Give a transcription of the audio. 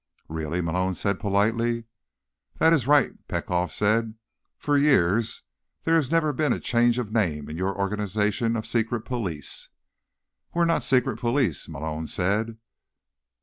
"Really?" Malone said politely. "That is right," Petkoff said. "For years, there has never been a change of name in your organization of secret police." "We're not secret police," Malone said.